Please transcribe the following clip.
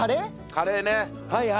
カレーね。